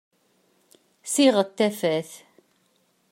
Ssiɣet tafat!